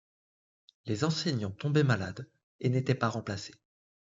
Les enseignants tombaient malades et n’étaient pas remplacés.